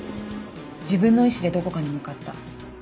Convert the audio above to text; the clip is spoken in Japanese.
自分の意思でどこかに向かった。